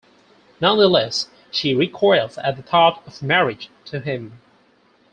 Nonetheless, she recoils at the thought of marriage to him.